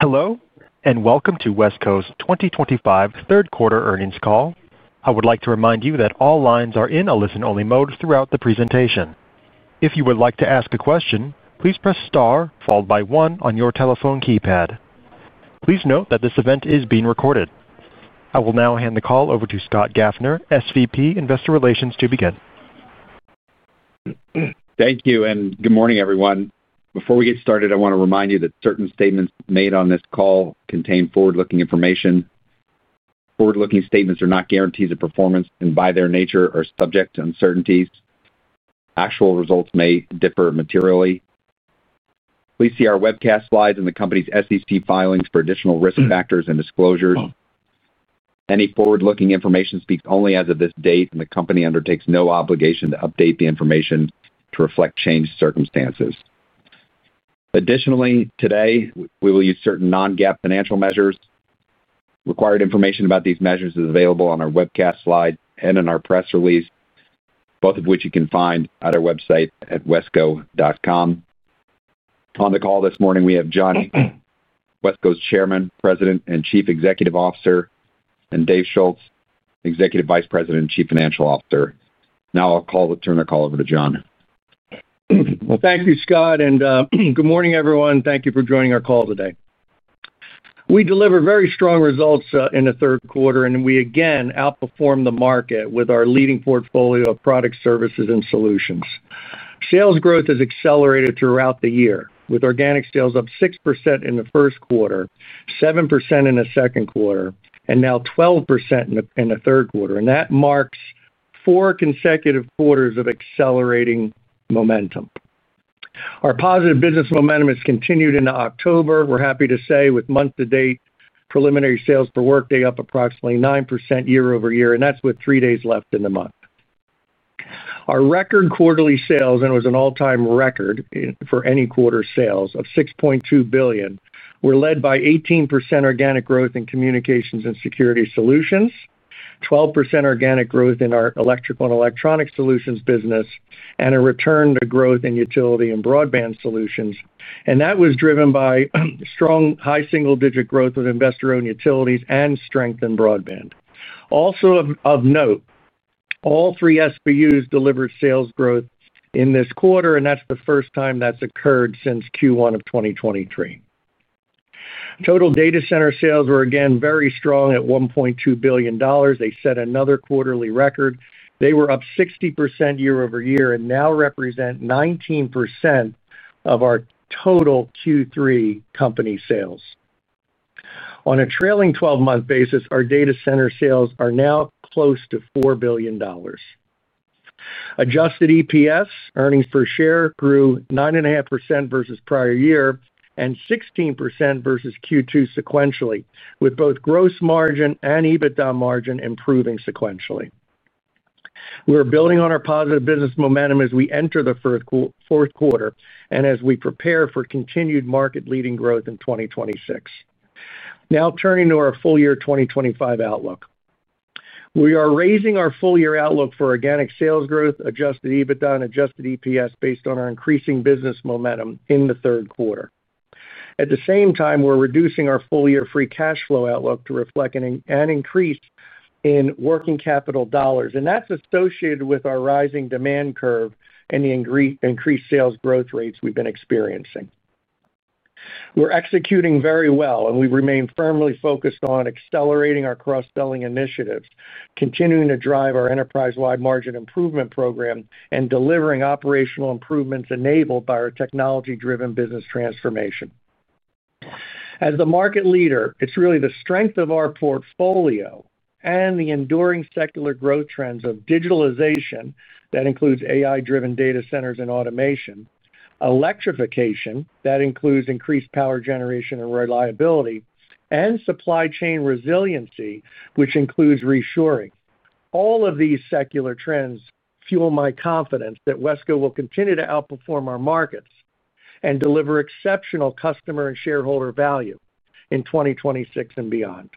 Hello and welcome to Wesco's 2025 third quarter earnings call. I would like to remind you that all lines are in a listen-only mode throughout the presentation. If you would like to ask a question. Question, please press STAR followed by one on your telephone keypad. Please note that this event is being recorded. I will now hand the call over to Scott Gaffner, SVP, Investor Relations, to begin. Thank you and good morning everyone. Before we get started, I want to remind you that certain statements made on this call contain forward-looking information. Forward-looking statements are not guarantees of performance and by their nature are subject to uncertainties. Actual results may differ materially. Please see our webcast slides and the Company's SEC filings for additional risk factors and disclosures. Any forward-looking information speaks only as of this date and the Company undertakes no obligation to update the information to reflect changed circumstances. Additionally, today we will use certain non-GAAP financial measures. Information about these measures is available on our webcast slide and in our press release, both of which you can find at our website at wesco.com. On the call this morning we have John, Wesco's Chairman, President, and Chief Executive Officer, and Dave Schulz, Executive Vice President and Chief Financial Officer. Now I'll turn the call over to John. Thank you, Scott, and good morning everyone. Thank you for joining our call today. We delivered very strong results in the third quarter, and we again outperformed the market with our leading portfolio of product services and solutions. Sales growth has accelerated throughout the year, with organic sales up 6% in the first quarter, 7% in the second quarter, and now 12% in the third quarter. That marks four consecutive quarters of accelerating momentum. Our positive business momentum has continued into October, we're happy to say, with month-to-date preliminary sales per workday up approximately 9% year-over-year, and that's with three days left in the month. Our record quarterly sales, and it was an all-time record for any quarter, sales of $6.2 billion were led by 18% organic growth in Communications and Security Solutions, 12% organic growth in our Electrical and Electronic Solutions business, and a return to growth in Utility and Broadband Solutions. That was driven by strong high single-digit growth of investor-owned utilities and strength in broadband. Also of note, all three SBUs delivered sales growth in this quarter, and that's the first time that's occurred since Q1 of 2023. Total data center sales were again very strong at $1.2 billion. They set another quarter, they were up 60% year-over-year, and now represent 19% of our total Q3 company sales on a trailing 12-month basis. Our data center sales are now close to $4 billion. Adjusted EPS grew 9.5% versus prior year and 16% versus Q2 sequentially, with both gross margin and EBITDA margin improving sequentially. We are building on our positive business momentum as we enter the fourth quarter and as we prepare for continued market-leading growth in 2026. Now turning to our full year 2025 outlook, we are raising our full year outlook for organic sales growth, adjusted EBITDA, and adjusted EPS based on our increasing business momentum in the third quarter. At the same time, we're reducing our full year free cash flow outlook to reflect an increase in working capital dollars, and that's associated with demand curve and the increased sales growth rates we've been experiencing. We're executing very well, and we remain firmly focused on accelerating our cross-selling initiatives, continuing to drive our enterprise-wide margin improvement program, and delivering operational improvements enabled by our technology-driven business transformation. As the market leader, it's really the strength of our portfolio and the enduring secular growth trends of digitalization that includes AI-driven data centers and automation, electrification that includes increased power generation and reliability, and supply chain resiliency which includes reshoring. All of these secular trends fuel my confidence that Wesco will continue to outperform our markets and deliver exceptional customer and shareholder value in 2026 and beyond.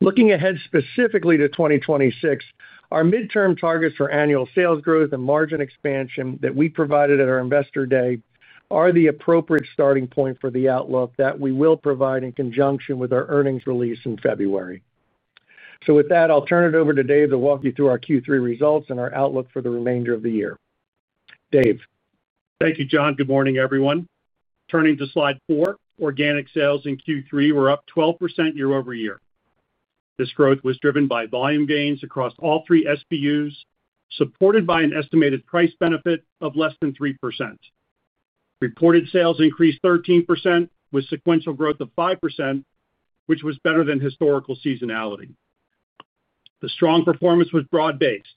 Looking ahead specifically to 2026, our midterm targets for annual sales growth and margin expansion that we provided at our Investor Day are the appropriate starting point for the outlook that we will provide in conjunction with our earnings release in February. With that, I'll turn it over to Dave to walk you through our Q3 results and our outlook for the remainder of the year. Dave, Thank you, John. Good morning, everyone. Turning to slide 4, organic sales in Q3 were up 12% year-over-year. This growth was driven by volume gains across all three SBUs supported by an estimated price benefit of less than 3%. Reported sales increased 13% with sequential growth of 5%, which was better than historical seasonality. The strong performance was broad based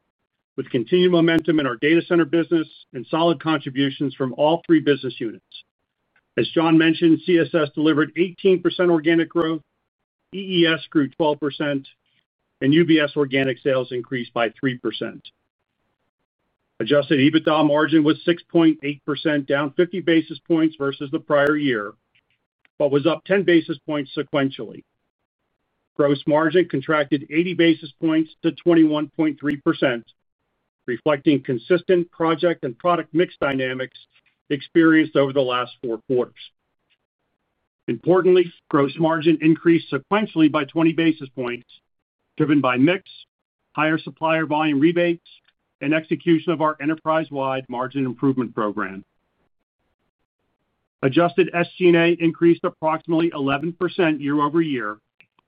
with continued momentum in our data center business and solid contributions from all three business units. As John mentioned, CSS delivered 18% organic growth, EES grew 12%, and UBS organic sales increased by 3%. Adjusted EBITDA margin was 6.8%, down 50 basis points versus the prior year, but was up 10 basis points sequentially. Gross margin contracted 80 basis points to 21.3%, reflecting consistent project and product mix dynamics experienced over the last four quarters. Importantly, gross margin increased sequentially by 20 basis points driven by mix, higher supplier volume rebates, and execution of our enterprise-wide margin improvement program. Adjusted SG&A increased approximately 11% year-over-year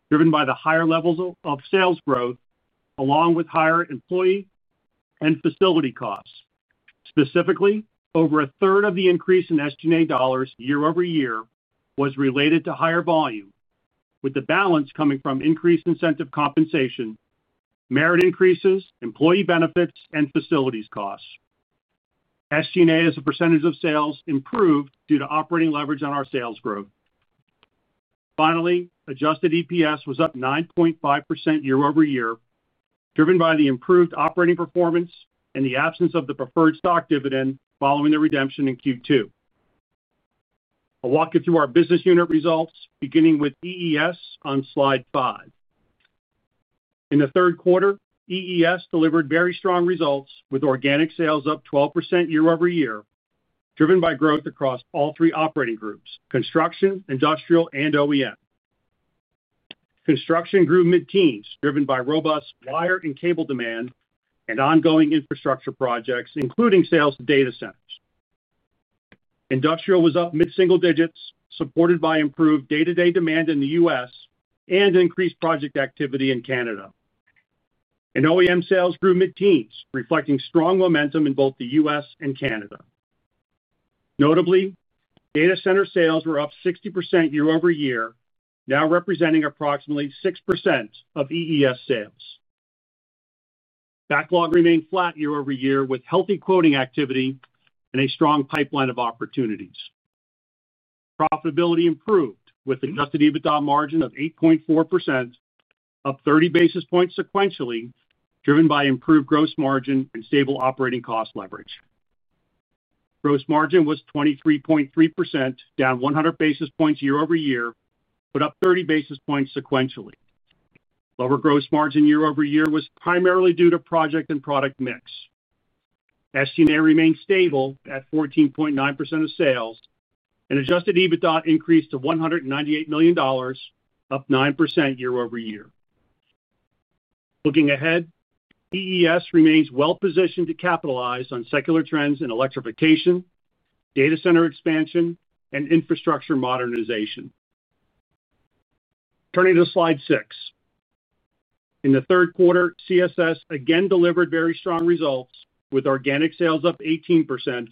driven by the higher levels of sales growth along with higher employee and facility costs. Specifically, over a third of the increase in SG&A dollars year-over-year was related to higher volume, with the balance coming from increased incentive compensation, merit increases, employee benefits, and facilities costs. SG&A as a percentage of sales improved due to operating leverage on our sales growth. Finally, adjusted EPS was up 9.5% year-over-year driven by the improved operating performance and the absence of the preferred stock dividend following the redemption in Q2. I'll walk you through our business unit results beginning with EES on slide 5. In the third quarter, EES delivered very strong results with organic sales up 12% year-over-year driven by growth across all three operating groups. Construction, Industrial, and OEM. Construction grew mid-teens driven by robust wire and cable demand and ongoing infrastructure projects including sales to data centers. Industrial was up mid-single digits supported by improved day-to-day demand in the U.S. and increased project activity in Canada, and OEM sales grew mid-teens reflecting strong momentum in both the U.S. and Canada. Notably, data center sales were up 60% year-over-year, now representing approximately 6% of EES sales. Backlog remained flat year-over-year with healthy quoting activity and a strong pipeline of opportunities. Profitability improved with adjusted EBITDA margin of 8.4%, up 30 basis points sequentially, driven by improved gross margin and stable operating cost leverage. Gross margin was 23.3%, down 100 basis points year-over-year but up 30 basis points sequentially. Lower gross margin year-over-year was primarily due to project and product mix. SG&A remained stable at 14.9% of sales, and adjusted EBITDA increased to $198 million, up 9% year-over-year. Looking ahead, EES remains well positioned to capitalize on secular trends in electrification, data center expansion, and infrastructure modernization. Turning to slide 6, in the third quarter, CSS again delivered very strong results with organic sales up 18%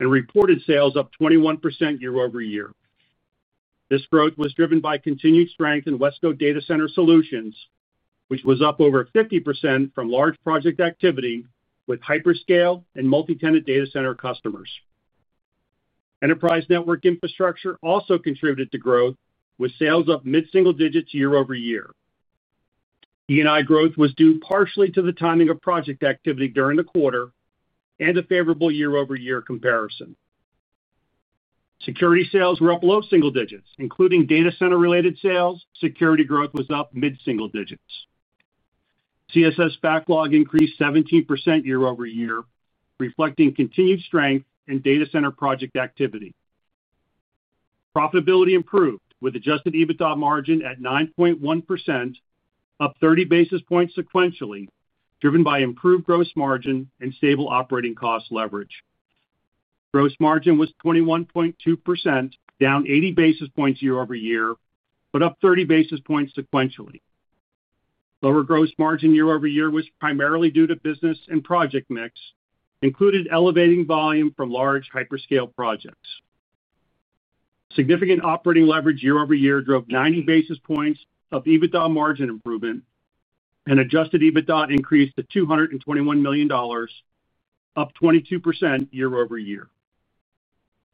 and reported sales up 21% year-over-year. This growth was driven by continued strength in Wesco Data Center Solutions, which was up over 50% from large project activity with hyperscale and multi-tenant data center customers. Enterprise Network Infrastructure also contributed to growth, with sales up mid-single digits year-over-year. ENI growth was due partially to the timing of project activity during the quarter and a favorable year-over-year comparison. Security sales were up low single digits; including data center related sales, security growth was up mid-single digits. CSS backlog increased 17% year-over-year, reflecting continued strength in data center project activity. Profitability improved with adjusted EBITDA margin at 9.1%, up 30 basis points sequentially, driven by improved gross margin and stable operating cost leverage. Gross margin was 21.2%, down 80 basis points year-over-year but up 30 basis points sequentially. Lower gross margin year-over-year was primarily due to business and project mix, including elevating volume from large hyperscale projects. Significant operating leverage year-over-year drove 90 basis points of EBITDA margin improvement, and adjusted EBITDA increased to $221 million, up 22% year-over-year.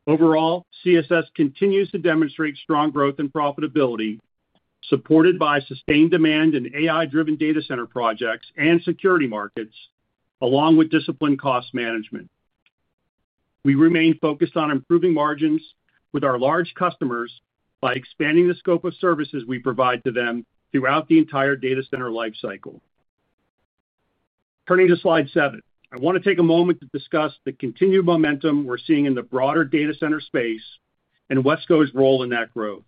Overall, CSS continues to demonstrate strong growth and profitability supported by sustained demand in AI-driven data center projects and security markets, along with disciplined cost management. We remain focused on improving margins with our large customers by expanding the scope of services we provide to them throughout the entire data center lifecycle. Turning to slide 7, I want to take a moment to discuss the continued momentum we're seeing in the broader data center space and Wesco's role in that growth.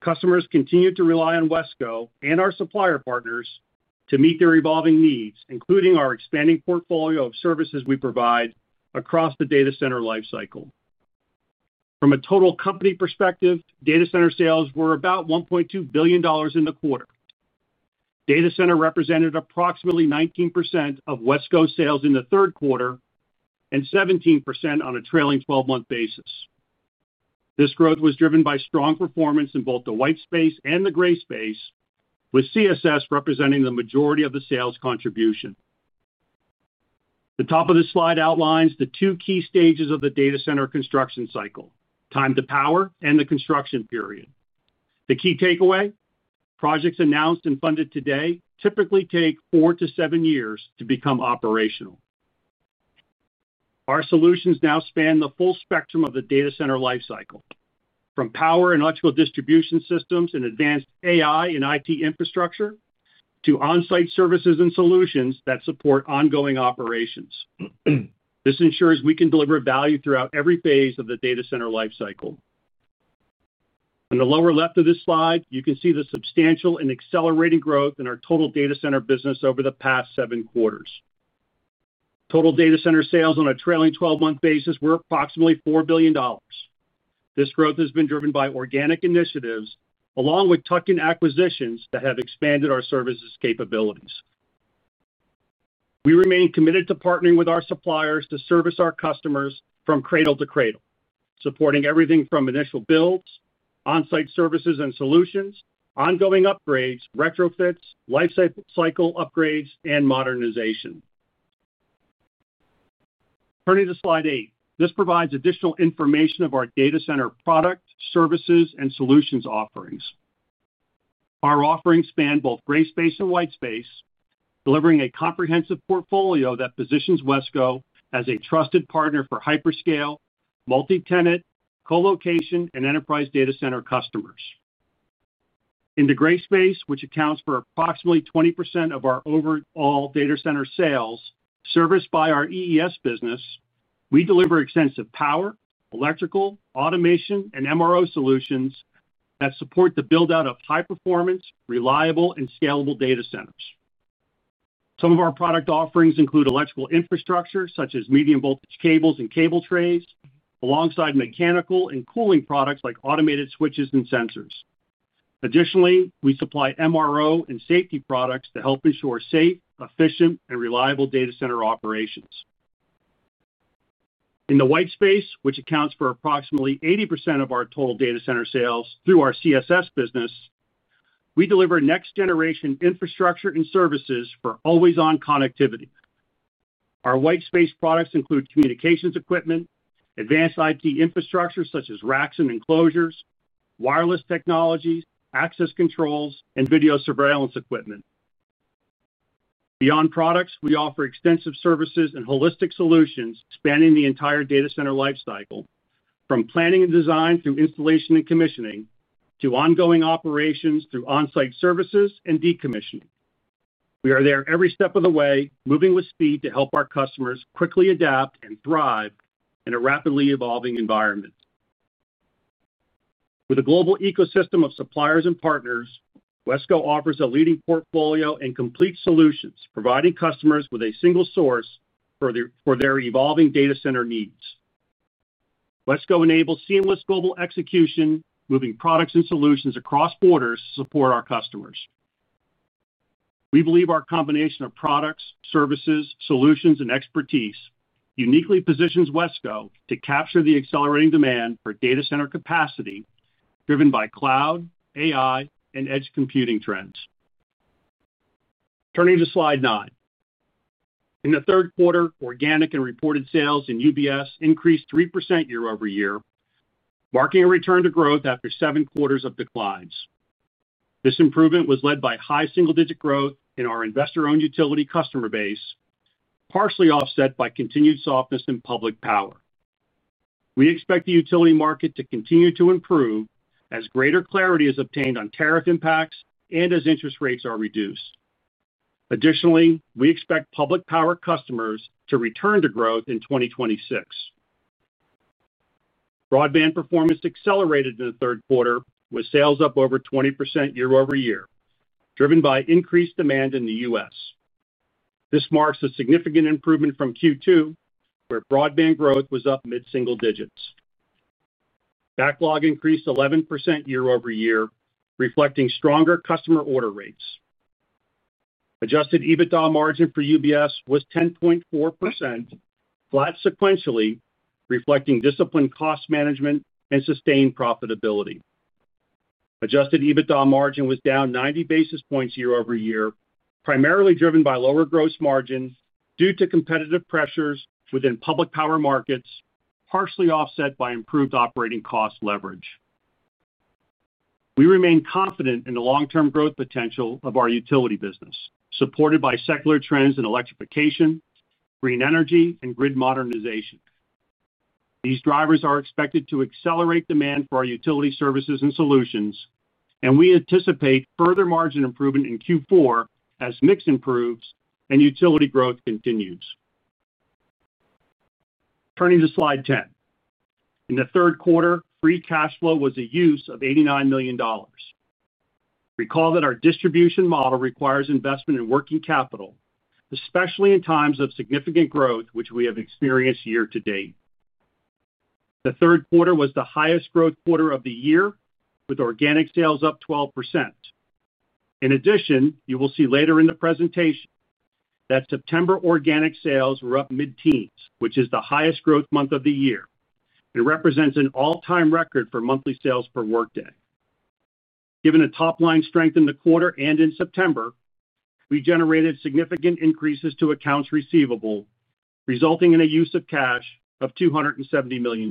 Customers continue to rely on Wesco and our supplier partners to meet their evolving needs, including our expanding portfolio of services we provide across the data center life cycle. From a total company perspective, data center sales were about $1.2 billion in the quarter. Data center represented approximately 19% of Wesco's sales in the third quarter and 17% on a trailing 12-month basis. This growth was driven by strong performance in both the white space and the gray space, with CSS representing the majority of the sales contribution. The top of this slide outlines the two key stages of the data center construction cycle, time to power and the construction period. The key takeaway: projects announced and funded today typically take four to seven years to become operational. Our solutions now span the full spectrum of the data center lifecycle from power and electrical distribution systems and advanced AI and IT infrastructure to on-site services and solutions that support ongoing operations. This ensures we can deliver value throughout every phase of the data center lifecycle. On the lower left of this slide, you can see the substantial and accelerating growth in our total data center business over the past seven quarters. Total data center sales on a trailing 12-month basis were approximately $4 billion. This growth has been driven by organic initiatives along with tuck-in acquisitions that have expanded our services capabilities. We remain committed to partnering with our suppliers to service our customers from cradle to cradle, supporting everything from initial builds, on-site services and solutions, ongoing upgrades, retrofits, life cycle upgrades, and modernization. Turning to slide 8, this provides additional information of our data center product, services, and solutions offerings. Our offerings span both gray space and white space, delivering a comprehensive portfolio that positions Wesco as a trusted partner for hyperscale, multi-tenant, colocation, and enterprise data center customers. In the gray space, which accounts for approximately 20% of our overall data center sales and is serviced by our EES business, we deliver extensive power, electrical automation, and MRO solutions that support the build-out of high-performance, reliable, and scalable data centers. Some of our product offerings include electrical infrastructure such as medium voltage cables and cable trays alongside mechanical and cooling products like automated switches and sensors. Additionally, we supply MRO and safety products to help ensure safe, efficient, and reliable data center operations in the white space, which accounts for approximately 80% of our total data center sales. Through our CSS business, we deliver next generation infrastructure and services for always on connectivity. Our white space products include communications equipment, advanced IT infrastructure such as racks and enclosures, wireless technologies, access controls, and video surveillance equipment. Beyond products, we offer extensive services and holistic solutions spanning the entire data center lifecycle from planning and design through installation and commissioning to ongoing operations through on site services and decommissioning. We are there every step of the way, moving with speed to help our customers quickly adapt and thrive in a rapidly evolving environment. With a global ecosystem of suppliers and partners, Wesco offers a leading portfolio and complete solutions, providing customers with a single source for their evolving data center needs. Wesco enables seamless global execution, moving products and solutions across borders to support our customers. We believe our combination of products, services, solutions, and expertise uniquely positions Wesco to capture the accelerating demand for data center capacity driven by cloud, AI, and edge computing trends. Turning to Slide 9, in the third quarter, organic and reported sales in UBS increased 3% year-over-year, marking a return to growth after seven quarters of declines. This improvement was led by high single digit growth in our investor owned utility customer base, partially offset by continued softness in public power. We expect the utility market to continue to improve as greater clarity is obtained on tariff impacts and as interest rates are reduced. Additionally, we expect public power customers to return to growth in 2026. Broadband performance accelerated in the third quarter with sales up over 20% year-over-year, driven by increased demand. In the U.S., this marks a significant improvement from Q2, where broadband growth was up mid single digits. Backlog increased 11% year-over-year, reflecting stronger customer order rates. Adjusted EBITDA margin for UBS was 10.4%, flat sequentially, reflecting disciplined cost management and sustained profitability. Adjusted EBITDA margin was down 90 basis points year-over-year, primarily driven by lower gross margins due to competitive pressures within public power markets, partially offset by improved operating cost leverage. We remain confident in the long term growth potential of our utility business, supported by secular trends in electrification, green energy, and grid modernization. These drivers are expected to accelerate demand for our utility services and solutions, and we anticipate further margin improvement in Q4 as mix improves and utility growth continues. Turning to slide 10, in the third quarter free cash flow was a use of $89 million. Recall that our distribution model requires investment in working capital, especially in times of significant growth, which we have experienced year to date. The third quarter was the highest growth quarter of the year, with organic sales up 12%. In addition, you will see later in the presentation that September organic sales were up mid teens, which is the highest growth month of the year and represents an all time record for monthly sales per workday. Given the top line strength in the quarter and in September, we generated significant increases to accounts receivable, resulting in a use of cash of $270 million.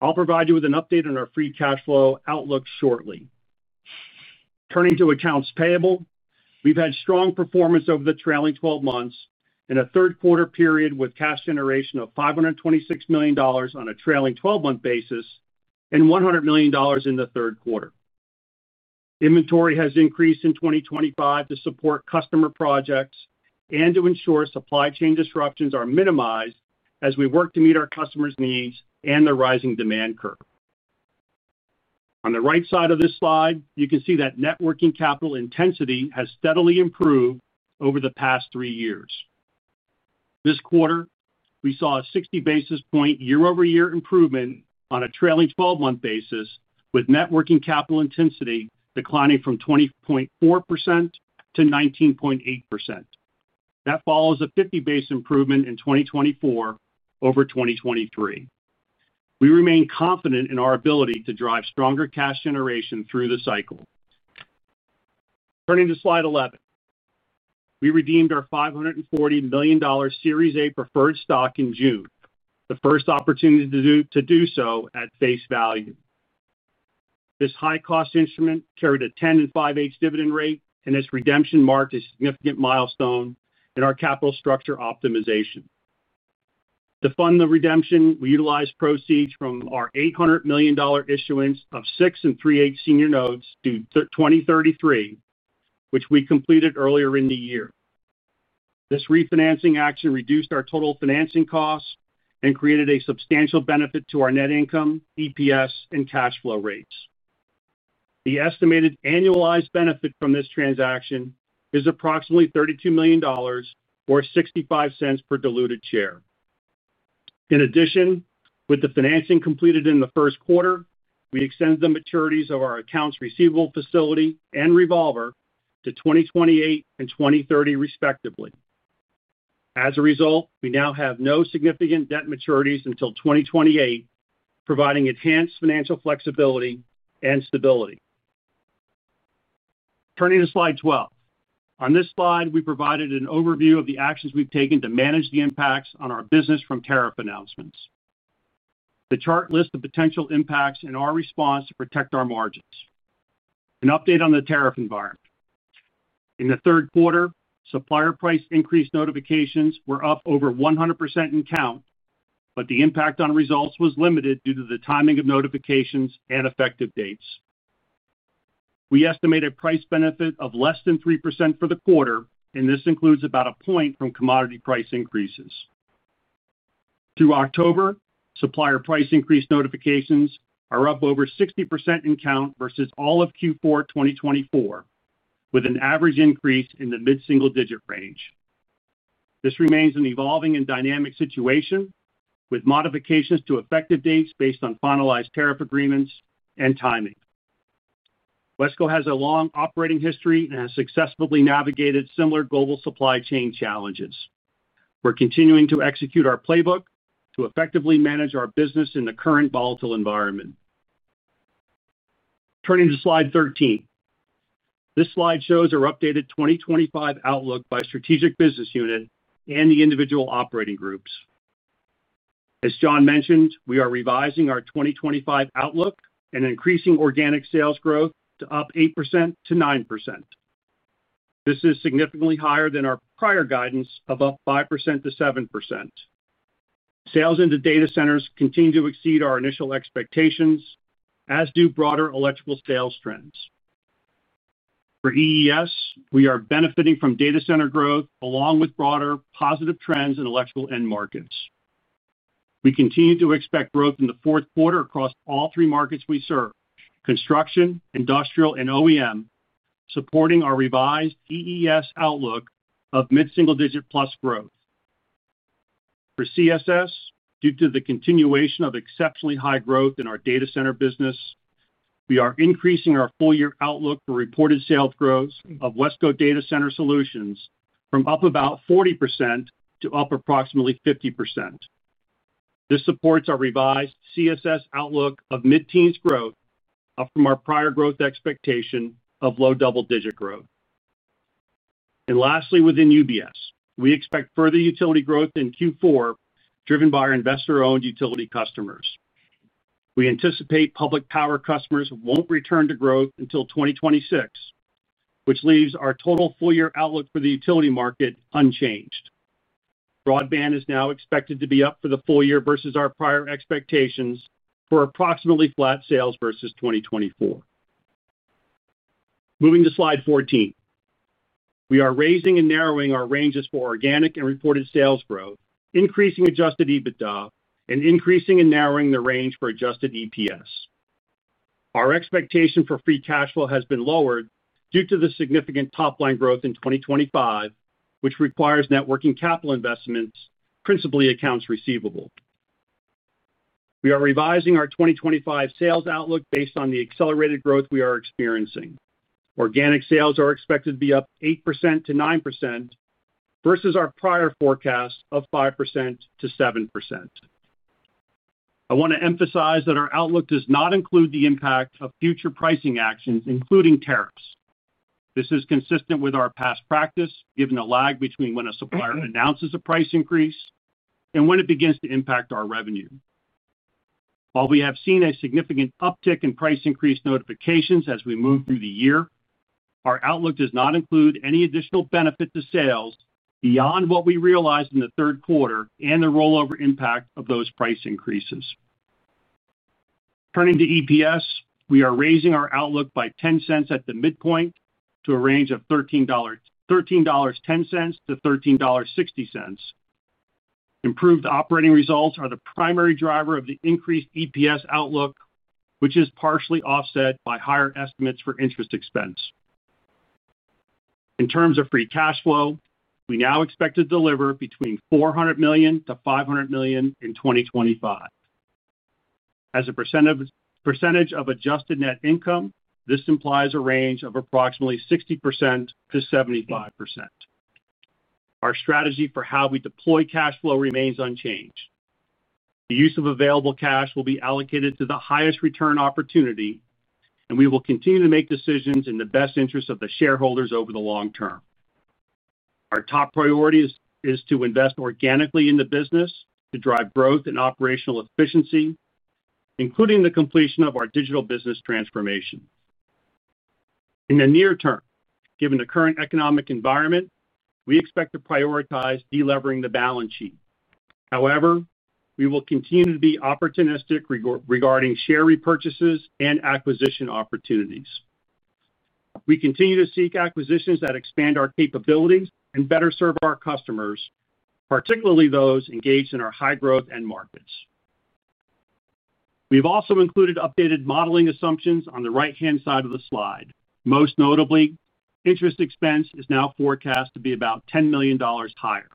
I'll provide you with an update on our free cash flow outlook shortly. Turning to accounts payable, we've had strong performance over the trailing 12 months in a third quarter period, with cash generation of $526 million on a trailing 12 month basis and $100 million in the third quarter. Inventory has increased in 2025 to support customer projects and to ensure supply chain disruptions are minimized as we work to meet our customers' needs and the rising demand curve. On the right side of this slide, you can see that net working capital intensity has steadily improved over the past three years. This quarter we saw a 60 basis point year-over-year improvement on a trailing 12 month basis, with net working capital intensity declining from 20.4% to 19.8%. That follows a 50 basis point improvement in 2024 over 2023. We remain confident in our ability to drive stronger cash generation through the cycle. Turning to slide 11, we redeemed our $540 million Series A Preferred Stock in June, the first opportunity to do so at face value. This high cost instrument carried a 10.625% dividend rate, and this redemption marked a significant milestone in our capital structure optimization. To fund the redemption, we utilized proceeds from our $800 million issuance of 6% and 3.8% senior notes due 2033, which we completed earlier in the year. This refinancing action reduced our total financing costs and created a substantial benefit to our net income, EPS, and cash flow rates. The estimated annualized benefit from this transaction is approximately $32 million or $0.65 per diluted share. In addition, with the financing completed in the first quarter, we extended the maturities of our accounts receivable facility and revolver to 2028 and 2030, respectively. As a result, we now have no significant debt maturities until 2028, providing enhanced financial flexibility and stability. Turning to Slide 12, on this slide we provided an overview of the actions we've taken to manage the impacts on our business from tariff announcements. The chart lists the potential impacts and our response to protect our margins. An update on the tariff environment: in the third quarter, supplier price increase notifications were up over 100% in count, but the impact on results was limited due to the timing of notifications and effective dates. We estimate a price benefit of less than 3% for the quarter, and this includes about a point from commodity price increases through October. Supplier price increase notifications are up over 60% in count versus all of Q4 2024, with an average increase in the mid single-digit range. This remains an evolving and dynamic situation with modifications to effective dates based on finalized tariff agreements and timing. Wesco has a long operating history and has successfully navigated similar global supply chain challenges. We're continuing to execute our playbook to effectively manage our business in the current volatile environment. Turning to Slide 13, this slide shows our updated 2025 outlook by strategic business unit and the individual operating groups. As John mentioned, we are revising our 2025 outlook and increasing organic sales growth to up 8%-9%. This is significantly higher than our prior guidance of up 5%-7%. Sales into data centers continue to exceed our initial expectations, as do broader electrical sales trends for EES. We are benefiting from data center growth along with broader positive trends in electrical end markets. We continue to expect growth in the fourth quarter across all three markets we serve: Construction, Industrial, and OEM, supporting our revised EES outlook of mid single-digit plus growth for CSS. Due to the continuation of exceptionally high growth in our data center business, we are increasing our full year outlook for reported sales growth of Wesco Data Center Solutions from up about 40% to up approximately 50%. This supports our revised CSS outlook of mid teens growth, up from our prior growth expectation of low double digit growth. Lastly, within UBS, we expect further utility growth in Q4 driven by our investor owned utility customers. We anticipate public power customers won't return to growth until 2026, which leaves our total full year outlook for the utility market unchanged. Broadband is now expected to be up for the full year versus our prior expectations for approximately flat sales versus 2024. Moving to slide 14, we are raising and narrowing our ranges for organic and reported sales growth, increasing adjusted EBITDA, and increasing and narrowing the range for adjusted EPS. Our expectation for free cash flow has been lowered due to the significant top line growth in 2025, which requires net working capital investments, principally accounts receivable. We are revising our 2025 sales outlook based on the accelerated growth we are experiencing. Organic sales are expected to be up 8%-9% versus our prior forecast of 5%-7%. I want to emphasize that our outlook does not include the impact of future pricing actions, including tariffs. This is consistent with our past practice given the lag between when a supplier announces a price increase and when it begins to impact our revenue. While we have seen a significant uptick in price increase notifications as we move through the year, our outlook does not include any additional benefit to sales beyond what we realized in the third quarter and the rollover impact of those price increases. Turning to EPS, we are raising our outlook by $0.10 at the midpoint to a range of $13.10-$13.60. Improved operating results are the primary driver of the increased EPS outlook, which is partially offset by higher estimates for interest expense. In terms of free cash flow, we now expect to deliver between $400 million-$500 million in 2025 as a percentage of adjusted net income. This implies a range of approximately 60%-75%. Our strategy for how we deploy cash flow remains unchanged. The use of available cash will be allocated to the highest return opportunity, and we will continue to make decisions in the best interest of the shareholders over the long term. Our top priority is to invest organically in the business to drive growth and operational efficiency, including the completion of our digital business transformation. In the near term, given the current economic environment, we expect to prioritize delevering the balance sheet. However, we will continue to be opportunistic regarding share repurchases and acquisition opportunities. We continue to seek acquisitions that expand our capabilities and better serve our customers, particularly those engaged in our high growth end markets. We've also included updated modeling assumptions on the right-hand side of the slide. Most notably, interest expense is now forecast to be about $10 million higher.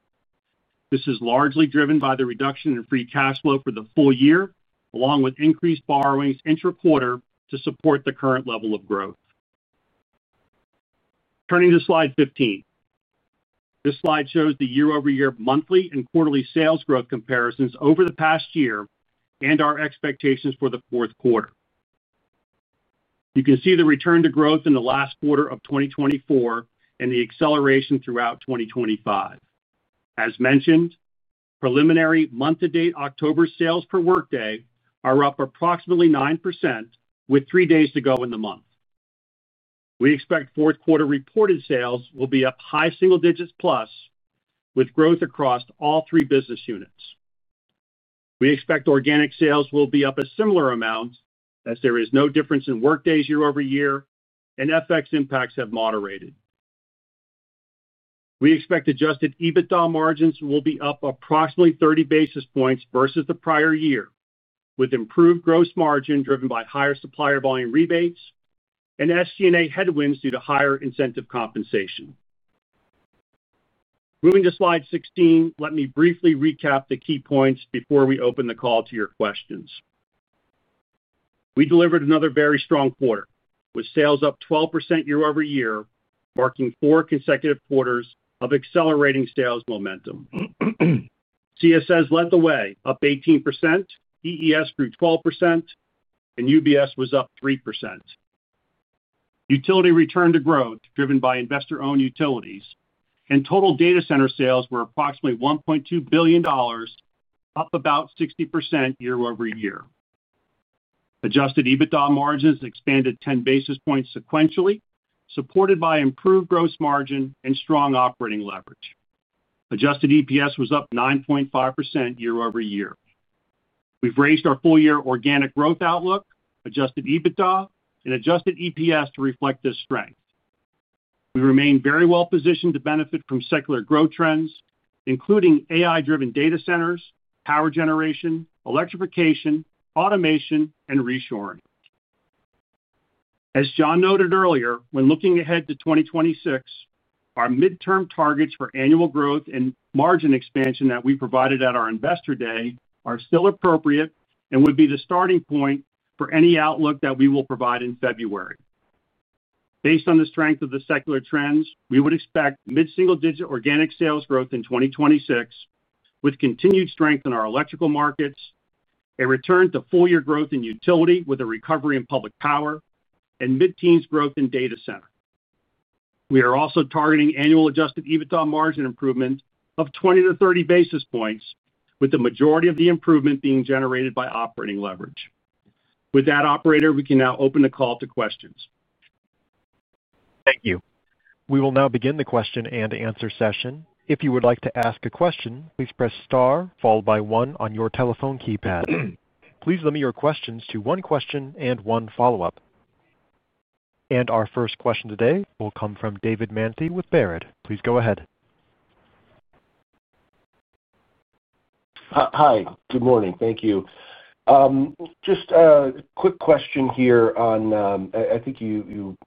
This is largely driven by the reduction in free cash flow for the full year along with increased borrowings intra-quarter to support the current level of growth. Turning to Slide 15, this slide shows the year-over-year, monthly and quarterly sales growth comparisons over the past year and our expectations for the fourth quarter. You can see the return to growth in the last quarter of 2024 and the acceleration throughout 2025. As mentioned, preliminary month-to-date October sales per workday are up approximately 9% with three days to go in the month. We expect fourth quarter reported sales will be up high single digits plus with growth across all three business units. We expect organic sales will be up a similar amount as there is no difference in workdays year-over-year and FX impacts have moderated. We expect adjusted EBITDA margins will be up approximately 30 basis points versus the prior year with improved gross margin driven by higher supplier volume rebates and SG&A headwinds due to higher incentive compensation. Moving to Slide 16, let me briefly recap the key points before we open the call to your questions. We delivered another very strong quarter with sales up 12% year-over-year, marking four consecutive quarters of accelerating sales momentum. CSS led the way up 18%, EES grew 12% and UBS was up 3%. Utility returned to growth driven by investor-owned utilities and total data center sales were approximately $1.2 billion, up about 60% year-over-year. Adjusted EBITDA margins expanded 10 basis points sequentially supported by improved gross margin and strong operating leverage. Adjusted EPS was up 9.5% year-over-year. We've raised our full year organic growth outlook, adjusted EBITDA and adjusted EPS to reflect this strength. We remain very well positioned to benefit from secular growth trends including AI-driven data centers, power generation, electrification, automation, and reshoring. As John noted earlier, when looking ahead to 2026, our midterm targets for annual growth and margin expansion that we provided at our Investor Day are still appropriate and would be the starting point for any outlook that we will provide in February. Based on the strength of the secular trends, we would expect mid single-digit organic sales growth in 2026 with continued strength in our electrical markets, a return to full-year growth in utility with a recovery in public power, and mid teens growth in data center. We are also targeting annual adjusted EBITDA margin improvement of 20-30 basis points, with the majority of the improvement being generated by operating leverage. We can now open the call to questions. Thank you. We will now begin the question and answer session. If you would like to ask a question, please press STAR followed by one on your telephone keypad. Please limit your questions to one question and one follow-up, and our first question today will come from David Manthey with Baird. Please go ahead. Hi, good morning. Thank you. Just a quick question here. I think you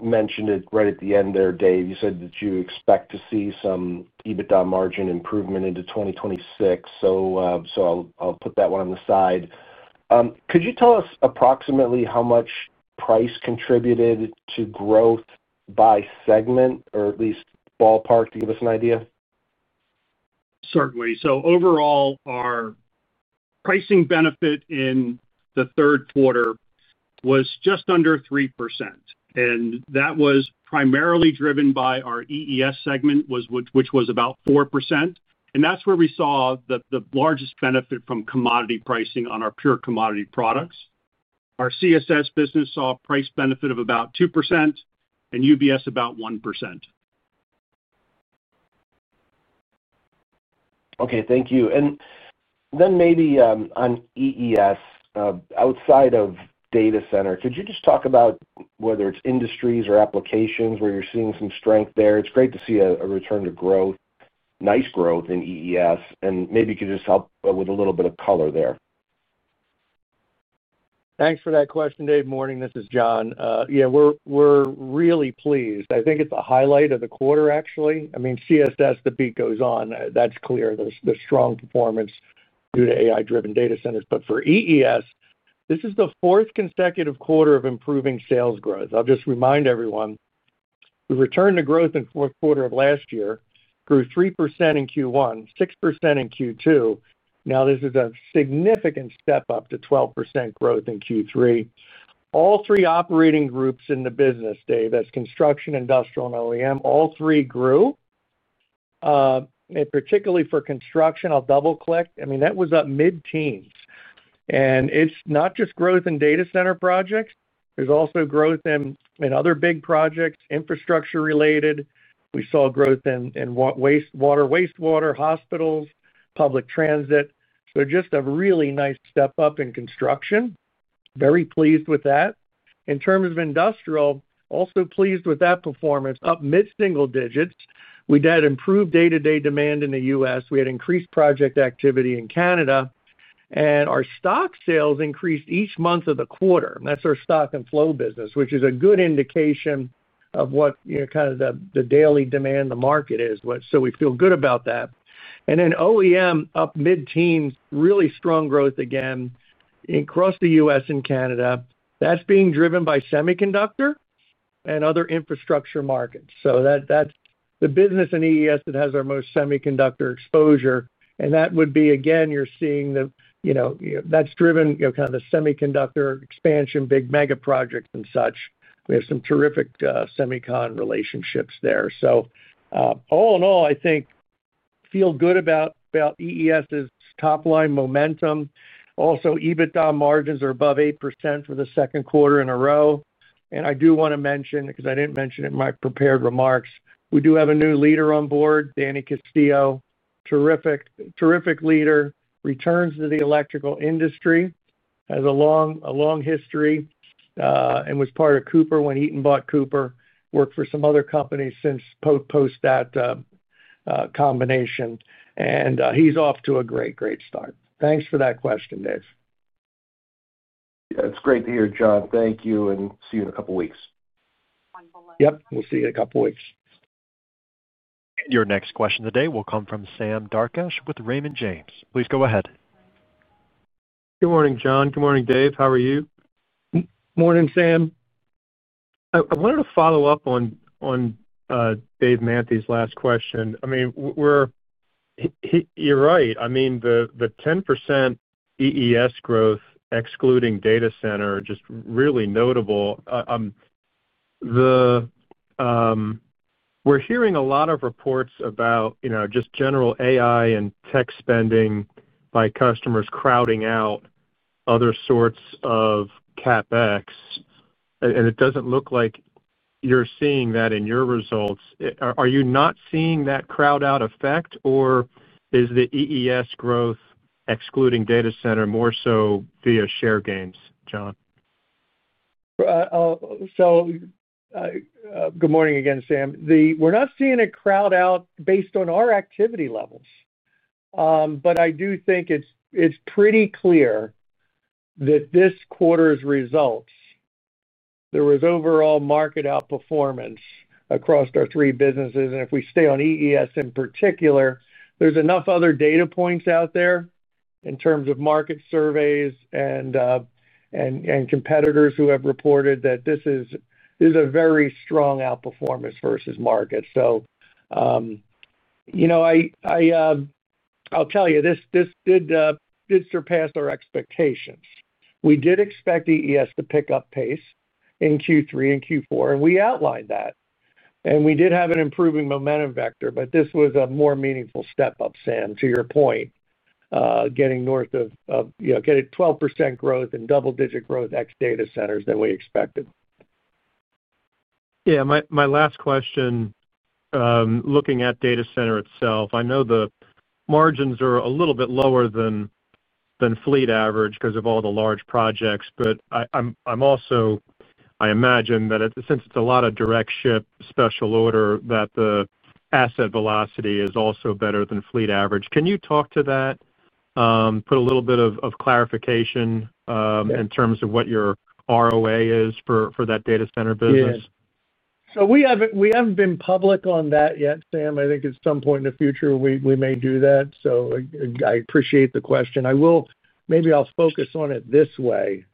mentioned it right at the end there, Dave. You said that you expect to see some EBITDA margin improvement into 2026. I'll put that one on the side. Could you tell us approximately how much price contributed to growth by segment or at least ballpark to give us an idea? Certainly. Overall, our pricing benefit in the third quarter was just under 3%, and that was primarily driven by our EES segment, which was about 4%. That's where we saw the largest benefit from commodity pricing on our pure commodity products. Our CSS business saw a price benefit of about 2%, and UBS about 1%. Okay, thank you. Maybe on EES outside of data center, could you just talk about whether it's industries or applications where you're seeing some strength there? It's great to see a return to growth, nice growth in EES, and maybe you could just help with a little bit of color there. Thanks for that question, Dave. Morning. This is John. Yeah, we're really pleased. I think it's a highlight of the quarter actually. I mean CSS, the beat goes on, that's clear. The strong performance due to AI driven data centers. For EES, this is the fourth consecutive quarter of improving sales growth. I'll just remind everyone, we returned to growth in the fourth quarter of last year. Grew 3% in Q1, 6% in Q2. Now this is a significant step up to 12% growth in Q3. All three operating groups in the business, Dave, that's construction, industrial, and OEM. All three grew. Particularly for construction. I'll double click. I mean that was up mid teens and it's not just growth in data center projects. There's also growth in other big projects, infrastructure related. We saw growth in water, wastewater, hospitals, public transit. Just a really nice step up in construction. Very pleased with that. In terms of industrial, also pleased with that performance, up mid single digits. We had improved day-to-day demand in the U.S., we had increased project activity in Canada, and our stock sales increased each month of the quarter. That's our stock and flow business, which is a good indication of what kind of the daily demand the market is. We feel good about that. OEM up mid teens, really strong growth again across the U.S. and Canada. That's being driven by semiconductor and other infrastructure markets. That's the business in EES that has our most semiconductor exposure. You're seeing that's driven by the semiconductor expansion, big mega project and such. We have some terrific semicon relationships there. All in all, I think feel good about EES's top line momentum. Also, EBITDA margins are above 8% for the second quarter in a row, and I do want to mention, because I didn't mention it in my prepared remarks, we do have a new leader on board, Danny Castillo. Terrific, terrific leader, returns to the electrical industry, has a long history and was part of Cooper when Eaton bought Cooper, worked for some other companies since post that combination, and he's off to a great, great start. Thanks for that question, Dave. It's great to hear, John. Thank you and see you in a couple weeks. Yep, we'll see you in a couple weeks. Your next question today will come from Sam Darkatsh with Raymond James. Please go ahead. Good morning, John. Good morning, Dave. How are you? Morning, Sam. I wanted to follow up on Dave Manthey's last question. I mean, you're right, the 10% EES growth excluding data center is just really notable. The. We're hearing a lot of reports about, you know, just general AI and tech spending by customers crowding out other sorts of CapEx, and it doesn't look like you're seeing that in your results. Are you not seeing that crowd out effect, or is the EES growth excluding data center more so via share gains? John, so good morning again, Sam. We're not seeing a crowd out based on our activity levels, but I do think it's pretty clear that this quarter's results, there was overall market outperformance across our three businesses, and if we stay on EES in particular, there's enough other data points out there in terms of market surveys and competitors who have reported that this is a very strong outperformance versus market. I'll tell you, this did surpass our expectations. We did expect EES to pick up pace in Q3 and Q4, and we outlined that, and we did have an improving momentum vector, but this was a more meaningful step up. Sam, to your point, getting north of, getting 12% growth in double digit growth ex data centers than we expected. Yeah. My last question looking at data center itself, I know the margins are a little bit lower than fleet average because of all the large projects. I'm also, I imagine that since. It's a lot of direct ship special order that the asset velocity is also. Better than fleet average. Can you talk to that, put a little bit of clarification in terms of what your ROI is for that data center business. We haven't been public on that yet. Sam, I think at some point in the future we may do that. I appreciate the question. Maybe I'll focus on it this way,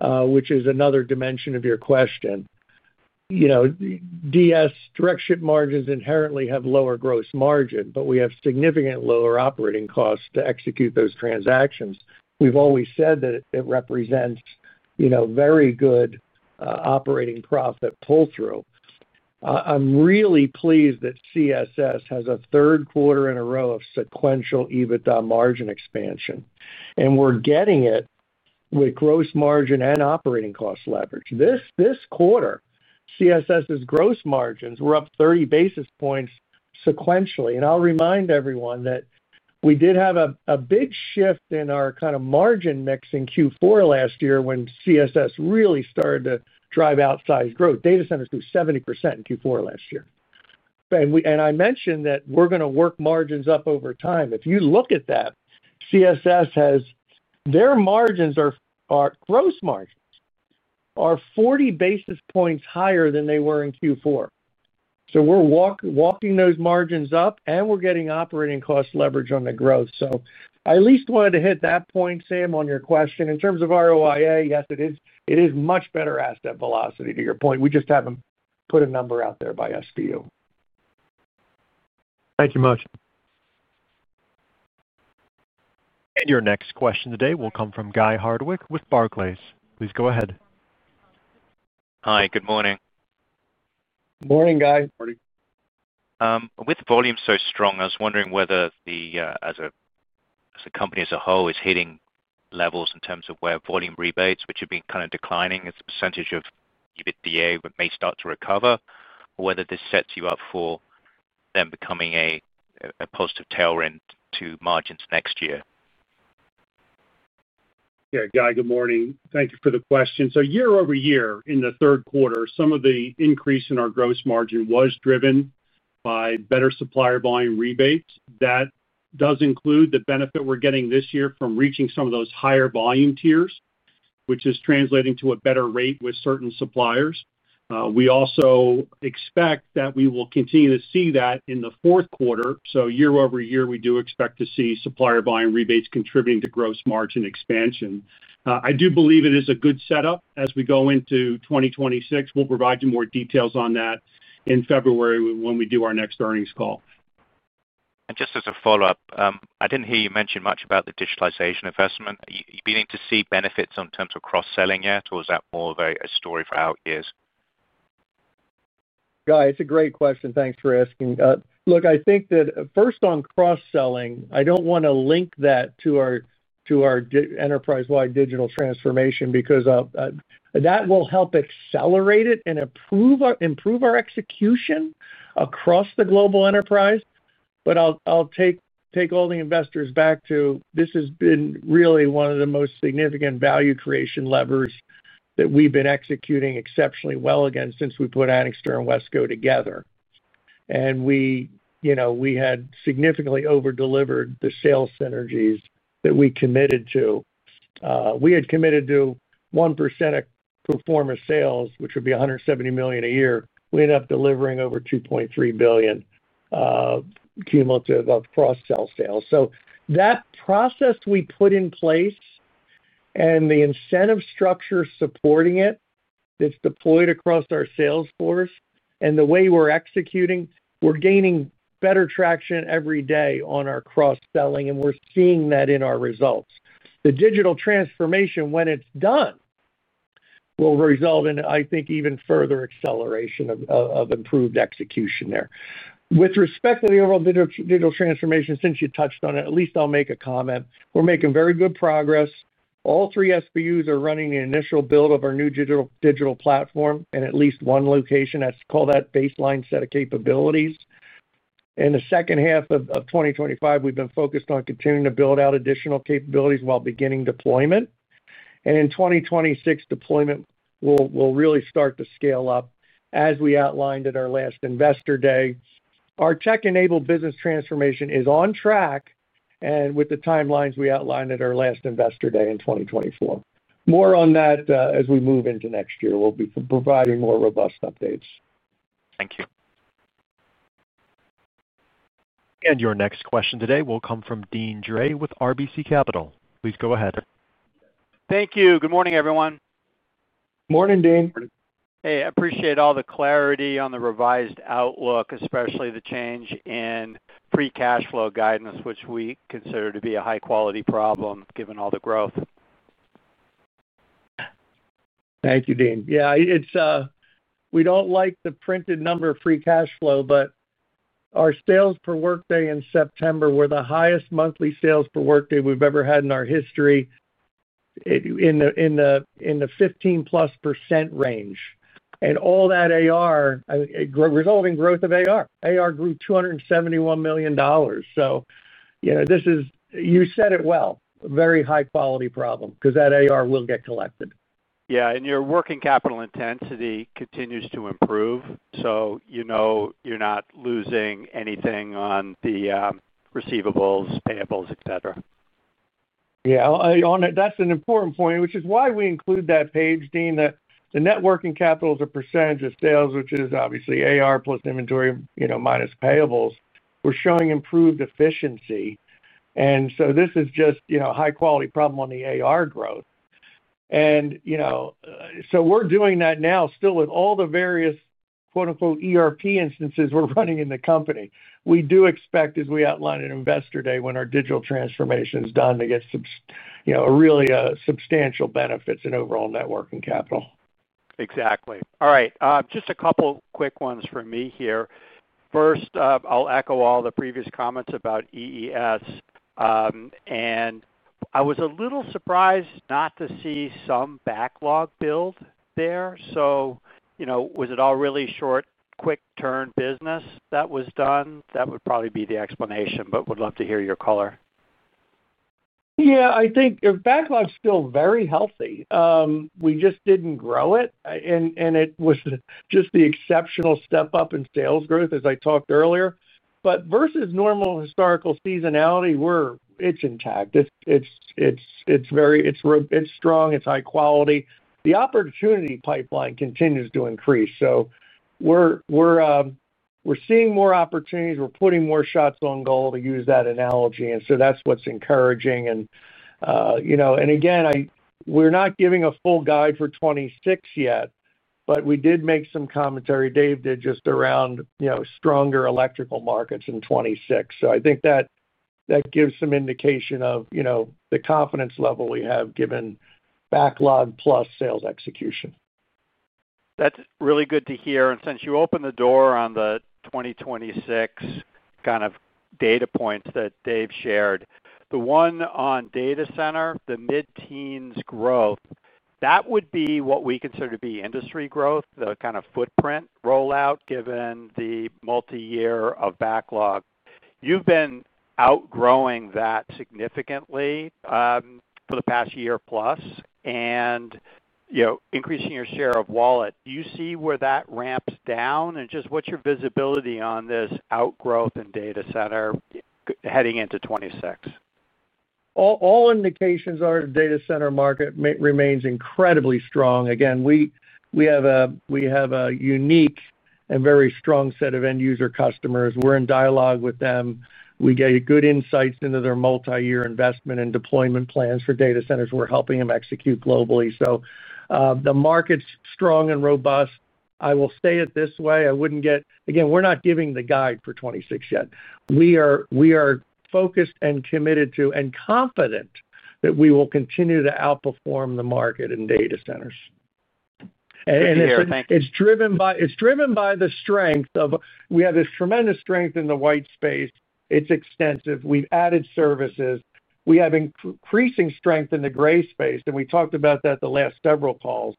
which is another dimension of your question. You know, DS Direct ship margins inherently have lower gross margin, but we have significantly lower operating costs to execute those transactions. We've always said that it represents very good operating profit pull through. I'm really pleased that CSS has a third quarter in a row of sequential EBITDA margin expansion, and we're getting it with gross margin and operating cost leverage. This quarter, CSS's gross margins were up 30 basis points sequentially. I'll remind everyone that we did have a big shift in our kind of margin mix in Q4 last year when CSS really started to drive outsized growth. Data centers grew 70% in Q4 last year. I mentioned that we're going to work margins up over time. If you look at that, CSS has their gross margins 40 basis points higher than they were in Q4. We're walking those margins up and we're getting operating cost leverage on the growth. I at least wanted to hit that point. Sam, on your question, in terms of ROI, yes, it is much better asset velocity, to your point. We just haven't put a number out there by SBU. Thank you very much. Your next question today will come from Guy Hardwick with Barclays. Please go ahead. Hi, good morning. Morning, Guy. With volume so strong, I was wondering whether the company as a whole is hitting levels in terms of where volume. Rebates, which have been kind of declining. As a percentage of EBITDA, may start to recover or whether this sets you up for them becoming a positive tailwind to margins next year. Guy, good morning. Thank you for the question. year-over-year, in the third quarter, some of the increase in our gross margin was driven by better supplier volume rebates. That does include the benefit we're getting this year from reaching some of those higher volume tiers, which is translating to a better rate with certain suppliers. We also expect that we will continue to see that in the fourth quarter. year-over-year, we do expect to see supplier volume rebates contributing to gross margin expansion. I do believe it is a good setup as we go into 2026. We'll provide you more details on that in February when we do our next earnings call. Just as a follow up, I didn't hear you mention much about the digitalization investment. Are you beginning to see benefits in terms of cross-selling yet or is that more of a story for how it is. It's a great question, thanks for asking. I think that first on cross-selling, I don't want to link that to our enterprise-wide digital transformation because that will help accelerate it and improve our execution across the global enterprise. I'll take all the investors back to this has been really one of the most significant value creation levers that we've been executing exceptionally well against. Since we put Anixter and Wesco together and we had significantly over-delivered the sales synergies that we committed to. We had committed to 1% performance sales which would be $170 million a year. We ended up delivering over $2.3 billion cumulative of cross-sell sales. That process we put in place and the incentive structure supporting it that's deployed across our sales force and the way we're executing, we're gaining better traction every day on our cross-selling and we're seeing that in our results. The digital transformation when it's done will result in, I think, even further acceleration of improved execution there. With respect to the overall digital transformation, since you touched on it, at least I'll make a comment. We're making very good progress. All three SBUs are running the initial build of our new digital platform in at least one location that's called that baseline set of capabilities. In the second half of 2025, we've been focused on continuing to build out additional capabilities while beginning deployment. In 2026, deployment will really start to scale up. As we outlined at our last Investor Day, our tech-enabled business transformation is on track and with the timelines we outlined at our last Investor Day in 2024, more on that as we move into next year. We'll be providing more robust updates. Thank you. Your next question today will come from Deane Dray with RBC Capital Markets. Please go ahead. Thank you. Good morning, everyone. Good morning, Deane. Hey, I appreciate all the clarity on the revised outlook, especially the change in free cash flow guidance, which we consider to be a high quality problem given all the growth. Thank you, Deane. Yeah, we don't like the printed number free cash flow, but our sales per workday in September were the highest monthly sales per workday we've ever had in our history in the 15%+ range, and all that AR resolving, growth of AR, AR grew $271 million. This is, you said it well, very high quality problem because that AR will get collected. Yeah, your working capital intensity continues to improve, so you're not losing anything on the receivables, payables, et cetera. Yeah, that's an important point, which is why we include that page, Deane, that the net working capital is a percentage of sales, which is obviously AR plus inventory minus payables. We're showing improved efficiency, and this is just, you know, high quality problem on the AR growth. We're doing that now still with all the various, quote unquote, ERP instances we're running in the company. We do expect, as we outline at Investor Day, when our digital business transformation is done, to get really substantial benefits in overall net working capital. Exactly. All right, just a couple quick ones for me here. First, I'll echo all the previous comments about EES, and I was a little surprised not to see some backlog build there. Was it all really short quick turn business that was done? That would probably be the explanation, but would love to hear your color. Yeah, I think backlog is still very healthy. We just didn't grow it, and it was just the exceptional step up in sales growth as I talked earlier. Versus normal historical seasonality, it's intact, it's very strong, it's high quality. The opportunity pipeline continues to increase. We're seeing more opportunities, we're putting more shots on goal to use that analogy. That's what's encouraging. You know, again, we're not giving a full guide for 2026 yet, but we did make some commentary. Dave did just around stronger electrical markets in 2026. I think that gives some indication of the confidence level we have given backlog plus sales execution. That's really good to hear. Since you opened the door on the 2026 kind of data points that Dave shared, the one on data center, the mid teens growth, that would be what we consider to be industry growth, the kind of footprint rollout given the multi year of backlog. You've been outgrowing that significantly for the past year plus and increasing your share of wallet. Do you see where that ramps down, and just what's your visibility on this outgrowth in data center heading into 2026? All indications our data center market remains incredibly strong. Again, we have a unique and very strong set of end user customers. We're in dialogue with them. We get good insights into their multi-year investment and deployment plans for data centers. We're helping them execute globally. The market's strong and robust. I will say it this way, we're not giving the guide for 2026 yet. We are focused and committed to and confident that we will continue to outperform the market in data centers. It's driven by the strength of, we have this tremendous strength in the white space. It's extensive. We've added services. We have increasing strength in the gray space, and we talked about that the last several calls.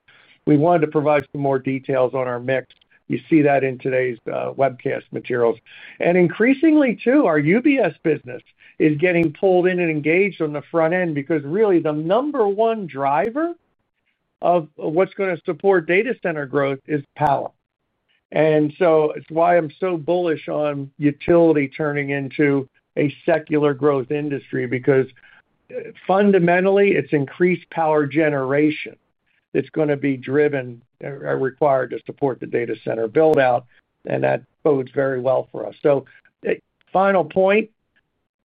We wanted to provide some more details on our mix. You see that in today's webcast materials, and increasingly too, our UBS business is getting pulled in and engaged on the front end because really the number one driver of what's going to support data center growth is power. It's why I'm so bullish on utility turning into a secular growth industry because fundamentally it's increased power generation that's going to be required to support the data center build out. That bodes very well for us. Final point,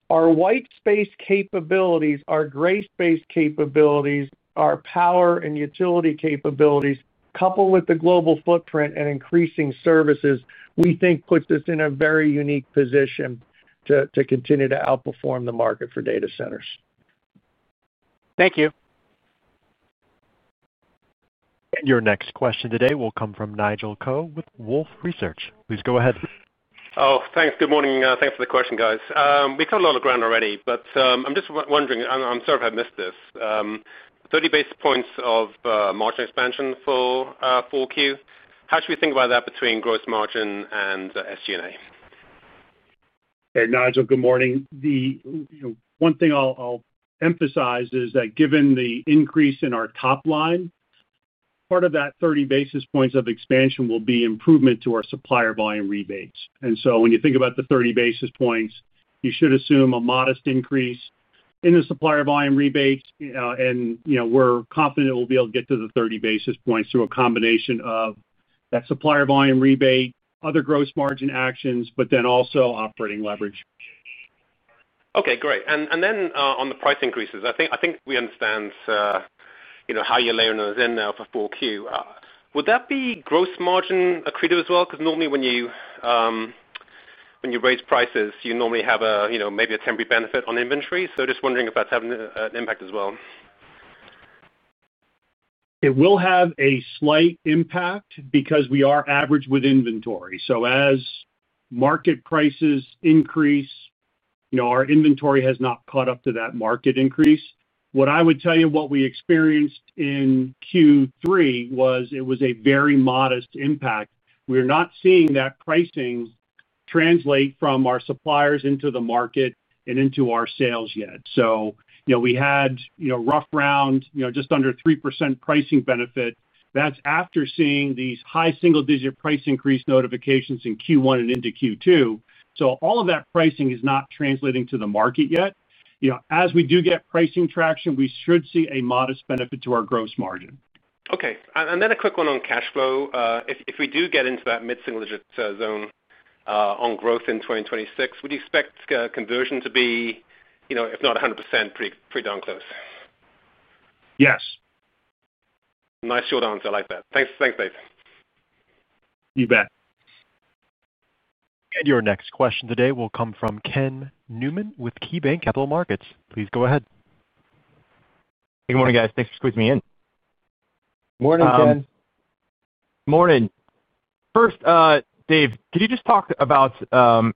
our white space capabilities, our gray space capabilities, our power and utility capabilities, coupled with the global footprint and increasing services, we think puts us in a very unique position to continue to outperform the market for data centers. Thank you. Your next question today will come from Nigel Coe with Wolfe Research. Please go ahead. Thanks. Good morning. Thanks for the question, guys. We covered a lot of ground already, but I'm just wondering, I'm sorry if I missed this, 30 basis points of margin expansion for 4Q. How should we think about that between gross margin and SG&A? Nigel, good morning. One thing I'll emphasize is that given the increase in our top line, part of that 30 basis points of expansion will be improvement to our supplier volume rebates. When you think about the 30 basis points, you should assume a modest increase in the supplier volume rebates. We're confident we'll be able to get to the 30 basis points through a combination of that supplier volume rebate, other gross margin actions, but also operating leverage. Okay, great. On the price increases, I. Think we understand how you're laying those in. Now for 4Q, would that be gross margin accretive as well? Because normally when you raise prices, you normally have maybe a temporary benefit on inventory. Just wondering if that's having an impact as well. It will have a slight impact because we are average with inventory. As market prices increase, our inventory has not caught up to that market increase. What I would tell you, what we experienced in Q3 was it was a very modest impact. We're not seeing that pricing translate from our suppliers into the market and into our sales yet. We had roughly just under 3% pricing benefit. That's after seeing these high single-digit price increase notifications in Q1 and into Q2. All of that pricing is not translating to the market yet. As we do get pricing traction, we should see a modest benefit to our gross margin. Okay. A quick one on cash flow. If we do get into that mid single digit zone on growth in 2026, would you expect conversion to be, if not 100%, pretty darn close? Yes, nice short answer like that. Thanks, Dave. You bet. Your next question today will come from Ken Newman with KeyBanc Capital Markets. Please go ahead. Good morning guys. Thanks for squeezing me in. Morning Ken. Morning. First Dave, could you just talk about,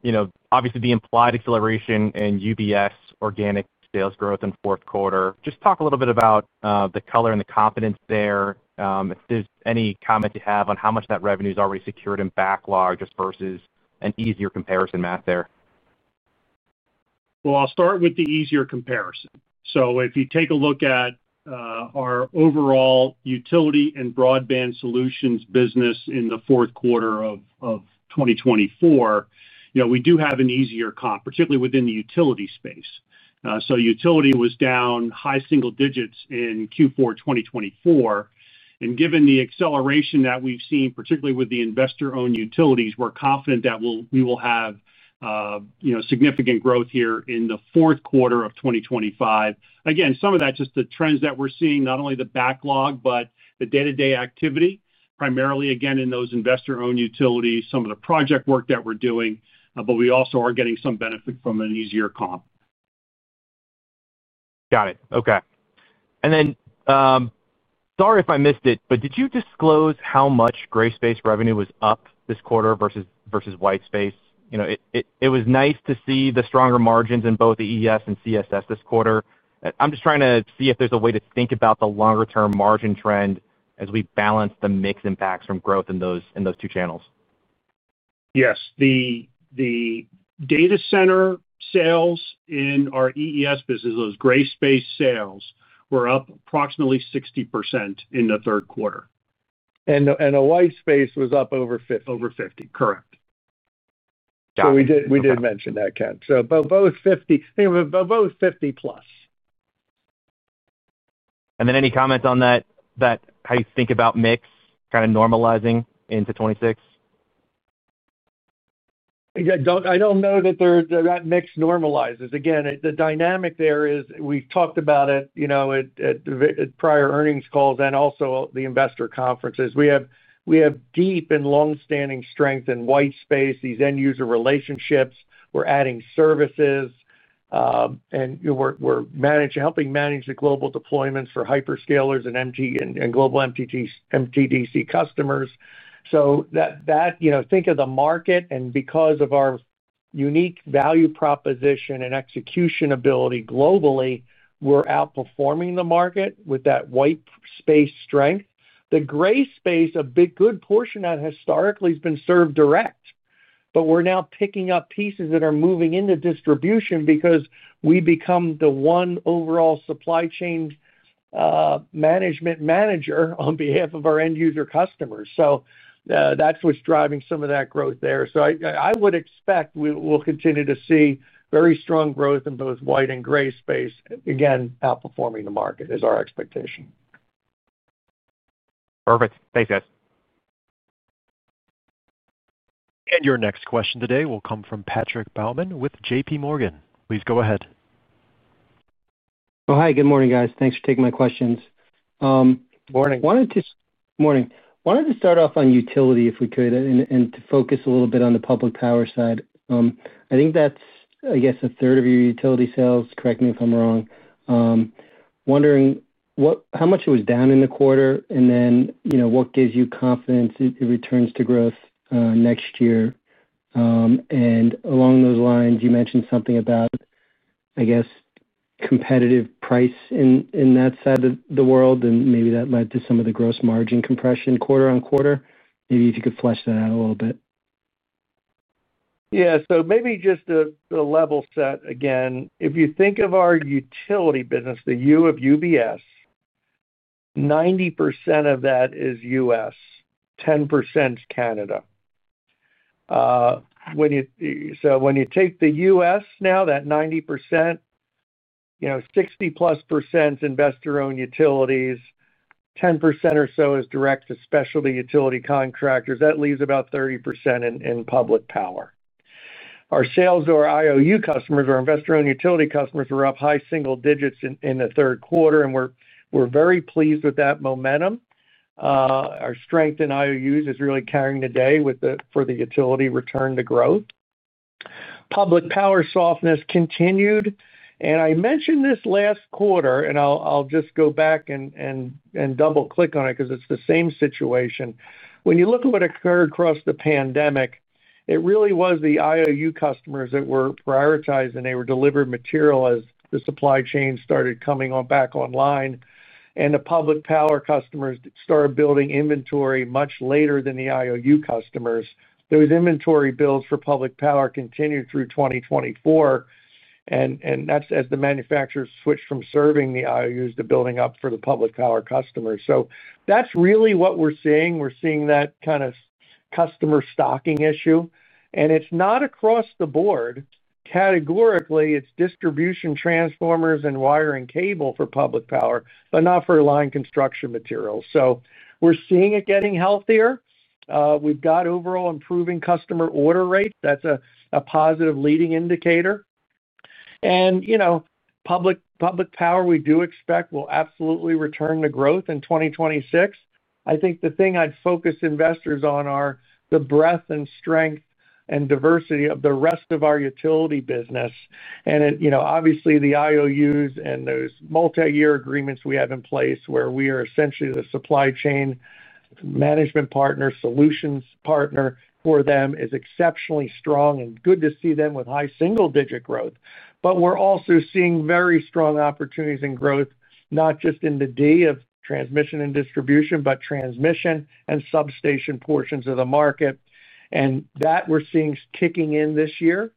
you know, obviously the implied acceleration in UBS organic sales growth in fourth quarter. Just talk a little bit about the color and the confidence there. If there's any comments you have on how much that revenue is already secured in backlog, just versus an easier comparison math there. I'll start with the easier comparison. If you take a look at our overall Utility and Broadband Solutions business in the fourth quarter of 2024, you know we do have an easier comp, particularly within the utility space. Utility was down high single digits in Q4 2024, and given the acceleration that we've seen, particularly with the investor owned utilities, we're confident that we will have significant growth here in the fourth quarter of 2025. Again, some of that is just the trends that we're seeing, not only the backlog but the day-to-day activity primarily again in those investor owned utilities. Some of the project work that we're doing, but we also are getting some benefit from an easier comp. Got it. Okay, sorry if I missed it. Did you disclose how much gray space revenue was up this quarter versus white space? You know, it was nice to see. The stronger margins in both the EES. CSS this quarter. I'm just trying to see if there's a way to think about the longer term margin trend as we balance the mix impacts from growth in those two channels. Yes, the data center sales in our EES business, those gray space sales were up approximately 60% in the third quarter. White space was up over 50%. Over 50%. Correct. Got it. We did mention that, Ken. Both 50%+. Any. Comments on that, that how you think about mix kind of normalizing into 2026. I don't know that mix normalizes. Again, the dynamic there is, we've talked about it, you know, prior earnings calls and also the investor conferences. We have deep and long-standing strength in white space, these end user relationships. We're adding services and we're helping manage the global deployments for hyperscalers and global MTDC customers. Think of the market, and because of our unique value proposition and execution ability globally, we're outperforming the market with that white space strength. The gray space, a big good portion that historically has been served direct, but we're now picking up pieces that are moving into distribution because we become the number one overall supply chain management manager on behalf of our end user customers. That's what's driving some of that growth there. I would expect we will continue to see very strong growth in both white and gray space. Again, outperforming the market is our expectation. Perfect. Thanks guys. Your next question today will come from Patrick Baumann with JPMorgan. Please go ahead. Oh, hi. Good morning guys. Thanks for taking my questions. Morning. Morning. Wanted to start off on utility if we could and to focus a little bit on the public power side. I think that's, I guess, a third of your utility sales, correct me if I'm wrong, wondering how much it was down in the quarter and then, you know, what gives you confidence it returns to growth next year. Along those lines you mentioned something about, I guess, competitive price in that side of the world and maybe that led to some of the gross margin compression quarter on quarter. Maybe if you could flesh that out a little bit. Yeah, maybe just to level set. Again, if you think of our utility business, the U of UBS, 90% of that is U.S., 10% Canada. When you take the U.S., now that 90%, you know, 60%+ investor owned utilities, 10% or so is direct to specialty utility contractors. That leaves about 30% in public power. Our sales or IOU customers, our investor owned utility customers were up high single digits in the third quarter and we're very pleased with that momentum. Our strength in IOUs is really carrying the day for the utility return to growth. Public power softness continued. I mentioned this last quarter and I'll just go back and double click on it because it's the same situation when you look at what occurred across the pandemic. It really was the IOU customers that were prioritized and they were delivered material. As the supply chain started coming back online and the public power customers started building inventory much later than the IOU customers. Those inventory builds for public power continued through 2024. That's as the manufacturers switched from serving the IOUs to building up for the public power customers. That's really what we're seeing. We're seeing that kind of customer stocking issue and it's not across the board categorically. It's distribution transformers and wire and cable for public power, but not for line construction materials. We're seeing it getting healthier. We've got overall improving customer order rate. That's a positive leading indicator. Public power we do expect will absolutely return to growth in 2026. I think the thing I'd focus investors on are the breadth and strength and diversity of the rest of our utility business. Obviously, the IOUs and those multi-year agreements we have in place where we are essentially the supply chain management partner, solutions partner for them, is exceptionally strong and good to see them with high single-digit growth. We're also seeing very strong opportunities and growth not just in the day of transmission and distribution, but transmission and substation portions of the market, and that we're seeing kicking in this year.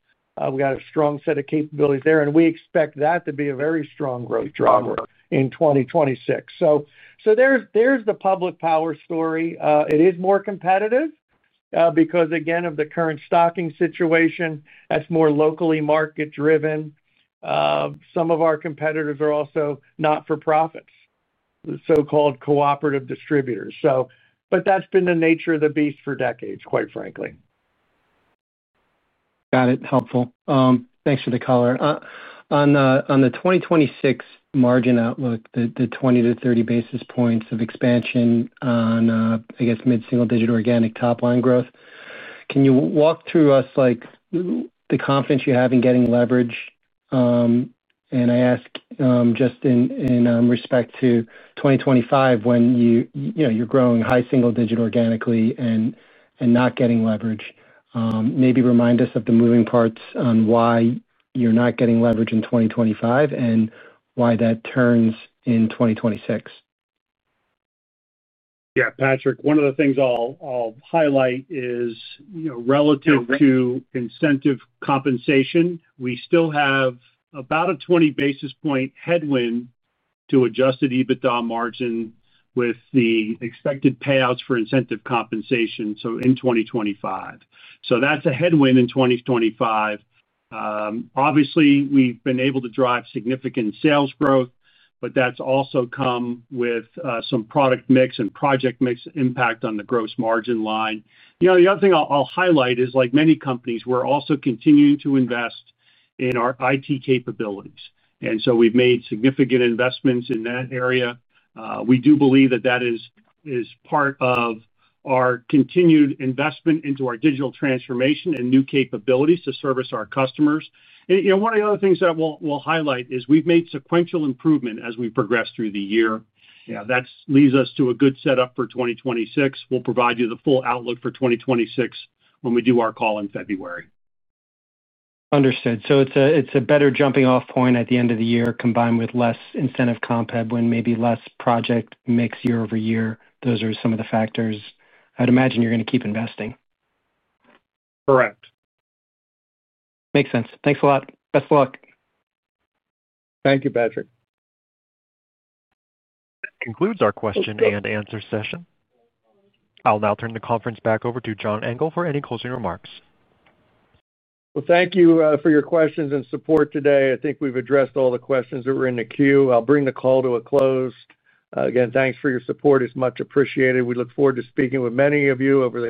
We have a strong set of capabilities there, and we expect that to be a very strong growth driver in 2026. There's the public power story. It is more competitive because, again, of the current stocking situation that's more locally market driven. Some of our competitors are also not-for-profits, the so-called cooperative distributors. That's been the nature of the beast for decades, quite frankly. Got it. Helpful. Thanks for the color on the 2026 margin outlook, the 20-30 basis points of expansion on, I guess, mid-single-digit organic top line growth. Can you walk through us the confidence you have in getting leverage? I ask just in respect to 2025, when you're growing high single-digit organ and not getting leverage. Maybe remind us of the moving parts on why you're not getting leverage in 2025 and why that turns in 2026. Yeah, Patrick, one of the things I'll highlight is relative to incentive compensation, we still have about a 20 basis point headwind to adjusted EBITDA margin with the expected payouts for incentive compensation in 2025. That's a headwind in 2025. Obviously, we've been able to drive significant sales growth, but that's also come with some product mix and project mix impact on the gross margin line. The other thing I'll highlight is like many companies, we're also continuing to invest in our IT capabilities, and we've made significant investments in that area. We do believe that is part of our continued investment into our digital business transformation and new capabilities to service our customers. One of the other things that we'll highlight is we've made sequential improvement as we progress through the year that leads us to a good setup for 2026. We'll provide you the full outlook for 2026 when we do our call in February. Understood. It's a better jumping off point at the end of the year, combined with less incentive comp and maybe less project mix year-over-year. Those are some of the factors. I'd imagine you're going to keep investing, correct? Makes sense. Thanks a lot. Best luck. Thank you, Patrick. That concludes our question and answer session. I'll now turn the conference back over to John Engel for any closing remarks. Thank you for your questions and support today. I think we've addressed all the questions that were in the queue. I'll bring the call to a close. Again, thanks for your support. It's much appreciated. We look forward to speaking with many of you over the.